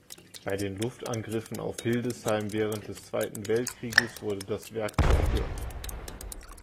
Bei den Luftangriffen auf Hildesheim während des Zweiten Weltkrieges wurde das Werk zerstört.